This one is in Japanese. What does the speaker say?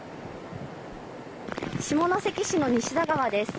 下関市の西田川です。